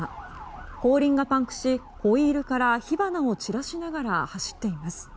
後輪がパンクしホイールから火花を散らしながら走っています。